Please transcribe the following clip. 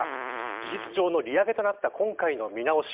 事実上の利上げとなった今回の見直し。